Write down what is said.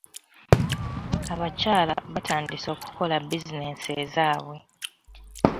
Abakyala batandise okukola bizinensi ezaabwe.